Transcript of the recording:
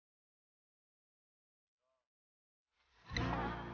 aku bisa percaya mas